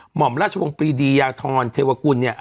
หมอมราชวงศ์ปรีดียาธรเทวกุลเนี่ย